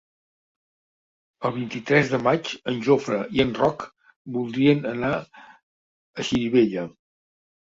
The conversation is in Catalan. El vint-i-tres de maig en Jofre i en Roc voldrien anar a Xirivella.